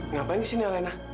ngapain di sini alena